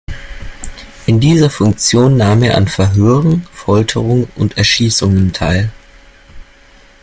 In dieser Funktion nahm er an Verhören, Folterungen und Erschießungen teil.